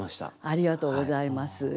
ありがとうございます。